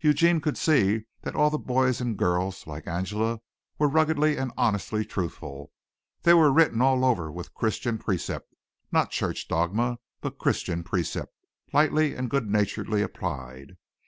Eugene could see that all the boys and girls, like Angela, were ruggedly and honestly truthful. They were written all over with Christian precept not church dogma but Christian precept, lightly and good naturedly applied.